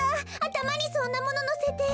たまにそんなもののせて。